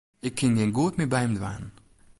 Ik kin gjin goed mear by him dwaan.